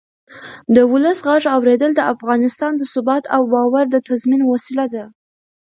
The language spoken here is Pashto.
د ولس غږ اورېدل د افغانستان د ثبات او باور د تضمین وسیله ده